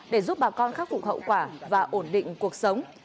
để giúp bà con khắc phục hậu quả và ổn định cuộc sống